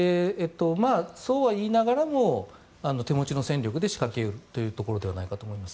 そうは言いながらも手持ちの戦力で仕掛けるというところではないかと思います。